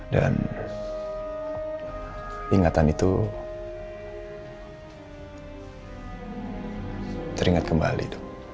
dan ingatan itu teringat kembali